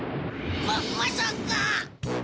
ままさか。